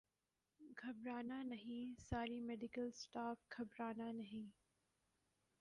گھبرا نہ نہیں ساری میڈیکل سٹاف گھبرانہ نہیں